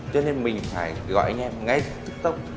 cho nên mình phải gọi anh em ngay tức tốc